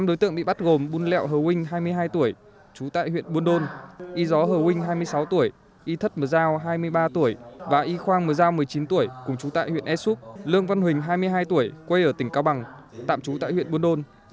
năm đối tượng bị bắt gồm bun lẹo hờ huynh hai mươi hai tuổi trú tại huyện buôn đôn y gió hờ huynh hai mươi sáu tuổi y thất mờ giao hai mươi ba tuổi và y khoang mờ giao một mươi chín tuổi cùng chú tại huyện ea súp lương văn huỳnh hai mươi hai tuổi quê ở tỉnh cao bằng tạm trú tại huyện buôn đôn